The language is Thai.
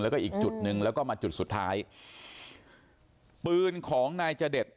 แล้วก็อีกจุดหนึ่งแล้วก็มาจุดสุดท้ายปืนของนายจเดช